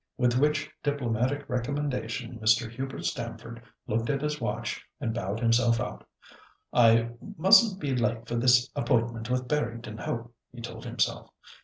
With which diplomatic recommendation Mr. Hubert Stamford looked at his watch and bowed himself out. "I mustn't be late for this appointment with Barrington Hope," he told himself.